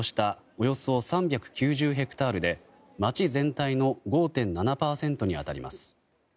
およそ３９０ヘクタールで町全体の５．７％に当たります。